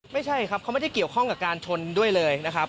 ไม่ใช่ครับเขาไม่ได้เกี่ยวข้องกับการชนด้วยเลยนะครับ